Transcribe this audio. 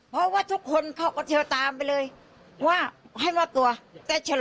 เพราะว่าทุกคนเขาก็เที่ยวตามไปเลยว่าให้มอบตัวแต่เฉลอ